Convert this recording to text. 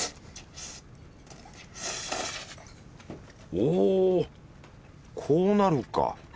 おこうなるか。